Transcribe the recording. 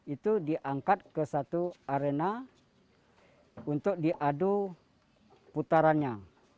itu diangkat ke satu arena untuk diadu putarannya